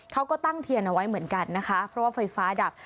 เขาก็ตั้งเทียนเอาไว้เหมือนกันนะคะเพราะว่าไฟฟ้าดับ